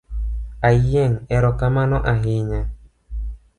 Ayieng’ erokamano ahinya.